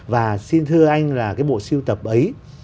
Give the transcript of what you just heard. và xin thưa anh là cái bộ siêu tập ấy